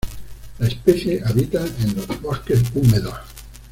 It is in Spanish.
La especie habita en los bosque húmedos.